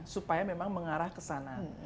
supaya memang mengarah ke sana